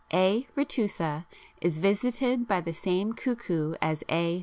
A. retusa is visited by the same cuckoo as _A.